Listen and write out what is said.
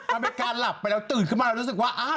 มันเป็นการหลับไปแล้วตื่นขึ้นมาเรารู้สึกว่า